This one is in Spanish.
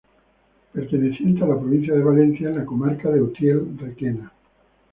Perteneciente a la provincia de Valencia, en la comarca de Utiel-Requena.